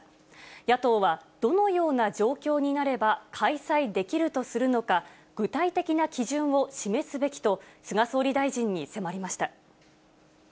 野党はどのような状況になれば、開催できるとするのか、具体的な基準を示すべきと、菅総理大臣に迫りました。